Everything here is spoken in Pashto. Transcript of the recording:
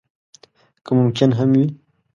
که ممکن هم وي.